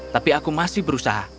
tapi aku masih berusaha